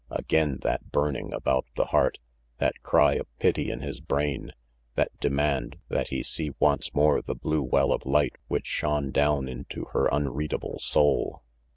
Again that burning about the heart, that cry of pity in his brain, that demand that he see once more the blue well of light which shone down into her unreadable soul.